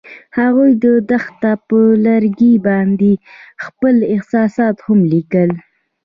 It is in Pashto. هغوی د دښته پر لرګي باندې خپل احساسات هم لیکل.